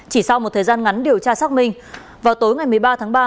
chỉ sau một thời gian ngắn điều tra xác minh vào tối ngày một mươi ba tháng ba